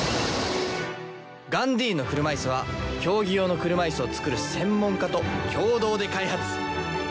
ガンディーンの車いすは競技用の車いすを作る専門家と共同で開発。